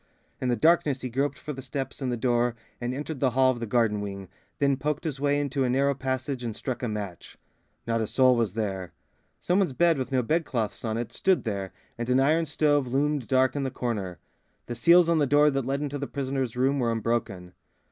In the darkness he groped for the steps and the door and entered the hall of the garden wing, then poked his way into a narrow passage and struck a match. Not a soul was there. Some one's bed, with no bedclothes on it, stood there, and an iron stove loomed dark in the corner. The seals on the door that led into the prisoner's room were unbroken.